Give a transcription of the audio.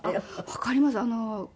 わかります。